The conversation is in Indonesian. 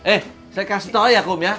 eh saya kasih tahu ya kum ya